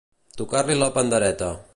Tocar-li la pandereta.